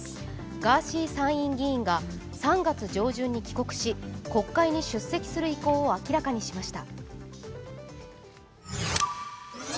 ガーシー参院議員が３月上旬に帰国し、国会に出席する意向を明らかにしました。